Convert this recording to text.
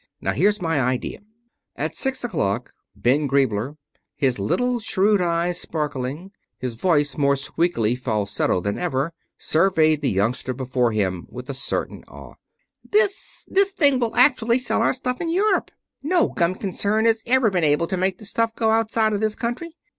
Now, here's my idea " At six o'clock Ben Griebler, his little shrewd eyes sparkling, his voice more squeakily falsetto than ever, surveyed the youngster before him with a certain awe. "This this thing will actually sell our stuff in Europe! No gum concern has ever been able to make the stuff go outside of this country.